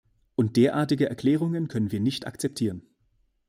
Und derartige Erklärungen können wir nicht akzeptieren.